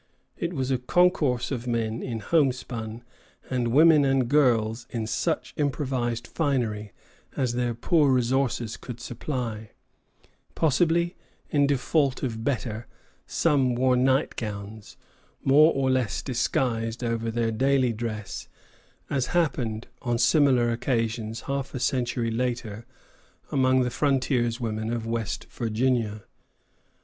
It was a concourse of men in homespun, and women and girls in such improvised finery as their poor resources could supply; possibly, in default of better, some wore nightgowns, more or less disguised, over their daily dress, as happened on similar occasions half a century later among the frontiersmen of West Virginia.